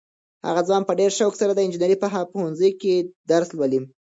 هغه ځوان په ډېر شوق سره د انجنیرۍ په پوهنځي کې درس لولي.